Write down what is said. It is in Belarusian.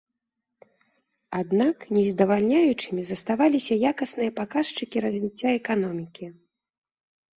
Аднак нездавальняючымі заставаліся якасныя паказчыкі развіцця эканомікі.